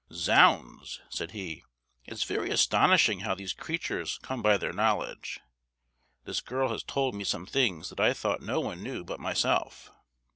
"Zounds!" said he, "it's very astonishing how these creatures come by their knowledge; this girl has told me some things that I thought no one knew but myself!"